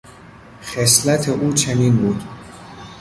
خصلت او چنین بود.